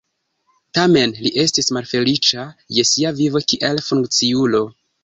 Tamen li estis malfeliĉa je sia vivo kiel funkciulo.